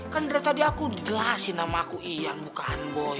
kan dari tadi aku dijelasin nama aku ian bukan boy